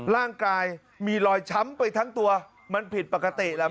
ร่างกายมีรอยช้ำไปทั้งตัวมันผิดปกติแหละ